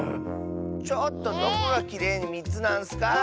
⁉ちょっとどこがきれいに３つなんッスか！